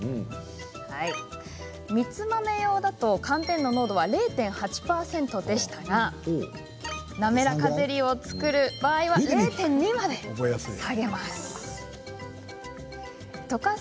みつ豆用だと寒天の濃度は０．８％でしたがなめらかゼリーを作る場合は０．２％まで下げます。